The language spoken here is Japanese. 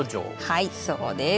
はいそうです。